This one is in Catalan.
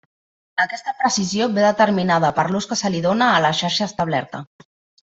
Aquesta precisió ve determinada per l'ús que se li dóna a la xarxa establerta.